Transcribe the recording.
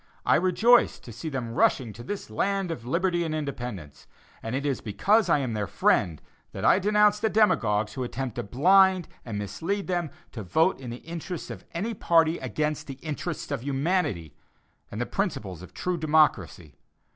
I rejoice to see them rushing to this land of liberty and independence; and it is because I am their friend that I denounce the demagogues who attempt to blind and mislead them to vote in the interests of any party against the interests of humanity, and the principles of true democracy.